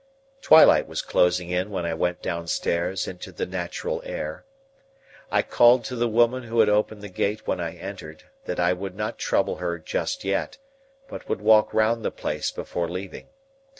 Twilight was closing in when I went downstairs into the natural air. I called to the woman who had opened the gate when I entered, that I would not trouble her just yet, but would walk round the place before leaving.